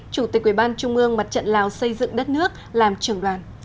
chủ tịch ủy ban trung ương mặt trận lào xây dựng đất nước làm trường đoàn